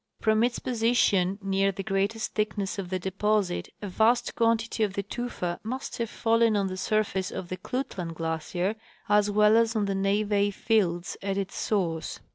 From its position near the greatest thickness of the deposit a vast quantity of the tufa must have fallen on the surface of the Klutlan glacier as well as on the neve fields at its source.